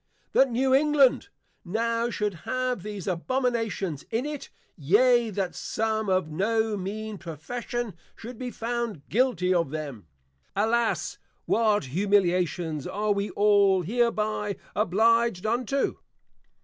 _ That New England now should have these Abominations in it, yea, that some of no mean Profession, should be found guilty of them: Alas, what Humiliations are we all hereby oblig'd unto?